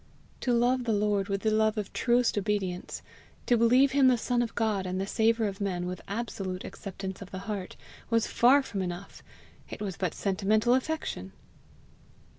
To love the Lord with the love of truest obedience; to believe him the son of God and the saver of men with absolute acceptance of the heart, was far from enough! it was but sentimental affection!